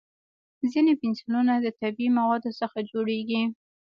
ځینې پنسلونه د طبیعي موادو څخه جوړېږي.